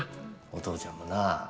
お父ちゃんもな